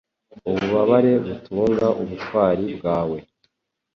Ububabare butunga ubutwari bwawe.